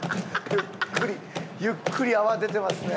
ゆっくりゆっくり泡出てますね。